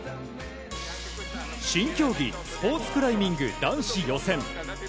新競技、スポーツクライミング男子予選。